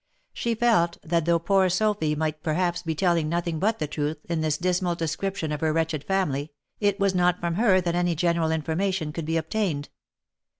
She felt, that though poor Sophy might perhaps be telling nothing but the truth in this dismal description of her wretched family, it was not from her that any general information could be obtained.